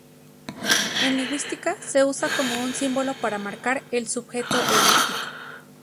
En lingüística se usa como símbolo para marcar el sujeto elíptico.